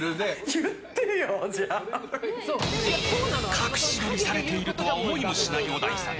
隠し撮りされているとは思いもしない小田井さん。